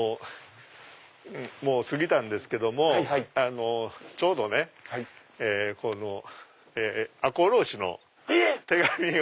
もう過ぎたんですけどもちょうどね赤穂浪士の手紙を。